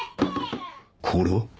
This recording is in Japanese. これは？